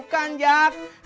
irdik nih toh perasaan